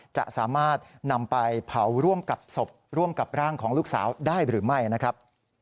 จะสามารถนำไปเผาร่วมกับศพร่วมกับร่างของลูกสาวได้หรือไม่นะครับ